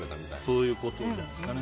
そういうことじゃないですかね。